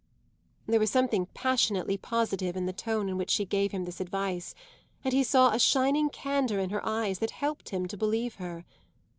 There was something passionately positive in the tone in which she gave him this advice, and he saw a shining candour in her eyes that helped him to believe her.